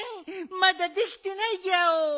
まだできてないギャオ。